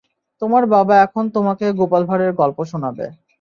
তোমার বাবা এখন তোমাকে গোপাল ভাঁড়ের গল্প শুনাবে।